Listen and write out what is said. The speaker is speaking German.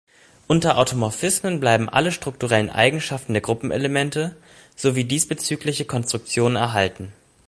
Unter Automorphismen bleiben alle strukturellen Eigenschaften der Gruppenelemente sowie diesbezügliche Konstruktionen erhalten.